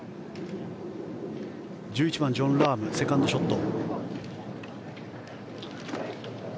１１番、ジョン・ラームのセカンドショット。